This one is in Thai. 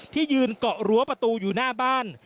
ที่ยืนเกาะรั้วประตูอยู่หน้าบ้าน